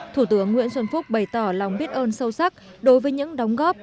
thủ tướng nguyễn xuân phúc bày tỏ lòng biết ơn sâu sắc đối với những đóng góp